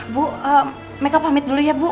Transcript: bu mereka pamit dulu ya bu